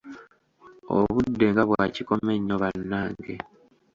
Obudde nga bwa kikome nnyo bannange!